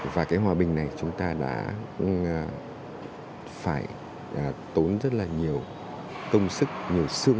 và cái hòa bình này chúng ta đã phải tốn rất là nhiều công sức nhiều xương